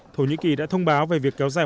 thổ nhĩ kỳ đã thông báo về việc kéo dài